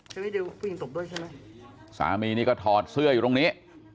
ผู้หญิงตบด้วยใช่ไหมสามีนี่ก็ถอดเสื้ออยู่ตรงนี้